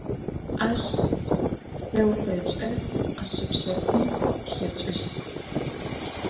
Aş zeu zeç'e khışıpşefın plheç'ışt.